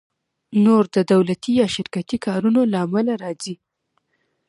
نور د دولتي یا شرکتي کارونو له امله راځي